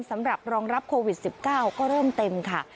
สำหรับรองรับโควิด๑๙ก็เริ่มเต็มค่ะ